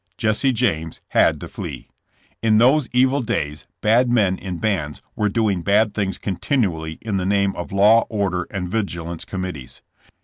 *' Jesse James had to flee. In those evil days bad men in bands were doing bad things continually in the name of law, order and vigilance committees.